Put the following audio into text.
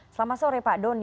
selamat sore pak doni